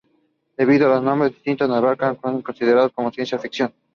Debido a las enormes distancias que abarcan, están considerados como ciencia ficción.